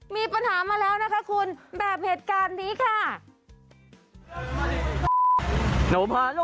มีปัญหามาแล้วนะคะคุณแบบเหตุการณ์นี้ค่ะ